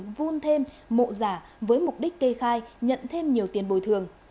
vun thêm mộ giả với mục đích kê khai nhận thêm nhiều tiền bồi thường